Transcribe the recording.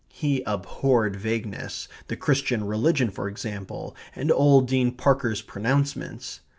He abhorred vagueness the Christian religion, for example, and old Dean Parker's pronouncements.